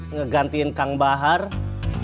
nanti dia akan mencari kamu